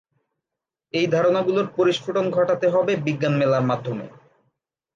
এই ধারণাগুলাের পরিস্ফুটন ঘটাতে হবে বিজ্ঞান মেলার মাধ্যমে।